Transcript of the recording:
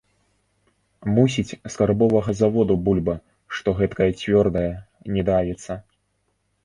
Мусіць, скарбовага заводу бульба, што гэткая цвёрдая, не давіцца.